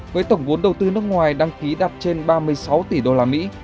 với tổng vốn đầu tư nước ngoài đăng ký đạt trên ba mươi sáu tỷ usd